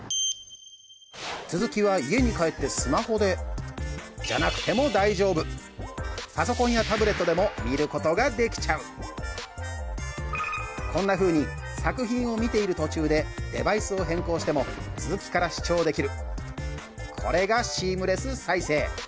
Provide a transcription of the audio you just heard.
続きは家に帰ってスマホでじゃなくても大丈夫パソコンやタブレットでも見ることができちゃうこんなふうに作品を見ている途中でデバイスを変更しても続きから視聴できるこれがシームレス再生